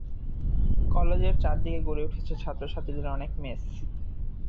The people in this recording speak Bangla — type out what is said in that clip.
কলেজের চারদিকে গড়ে উঠেছে ছাত্র-ছাত্রীদের অনেক মেস।